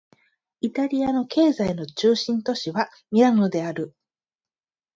イタリアの経済の中心都市はミラノである